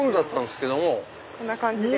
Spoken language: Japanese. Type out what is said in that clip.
こんな感じで。